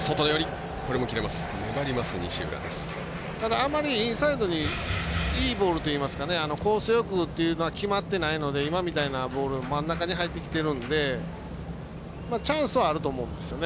ただ、あまりインサイドにいいボールといいますかコースよくというのは決まってないので今みたいなボール真ん中に入ってきてるのでチャンスはあると思うんですよね。